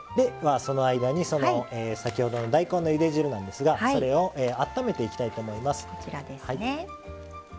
その間に、先ほどの大根のゆで汁それをあっためていきたいと思います。